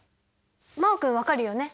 真旺君分かるよね？